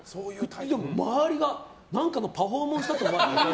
周りが何かのパフォーマンスだと思われて。